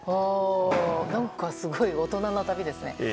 すごく大人な旅ですね。